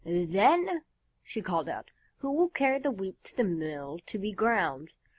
Then she called out: "Who will carry the Wheat to the mill to be ground?"